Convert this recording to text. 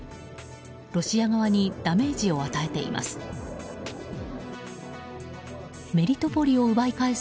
ロシア側にダメージを与えています。